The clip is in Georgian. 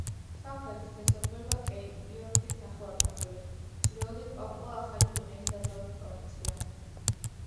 სამხრეთით ესაზღვრება კეიპ-იორკის ნახევარკუნძული, ჩრდილოეთით პაპუა-ახალი გვინეის დასავლეთი პროვინცია.